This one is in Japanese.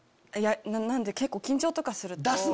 結構緊張とかすると。